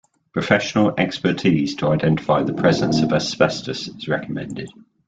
Professional expertise to identify the presence of asbestos is recommended.